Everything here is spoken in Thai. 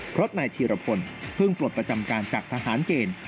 เพราะนายธีรพลเพิ่งปลดประจำการจากทหารเกณฑ์